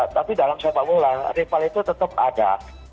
tapi dalam sepak bola rival itu tetap ada